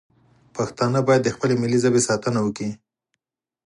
پښتانه باید د خپلې ملي ژبې ساتنه وکړي